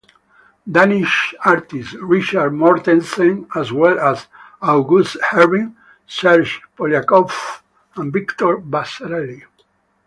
Danish artist Richard Mortensen, as well as Auguste Herbin, Serge Poliakoff and Victor Vasarely.